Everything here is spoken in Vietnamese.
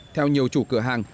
theo nhiều chủ cửa hàng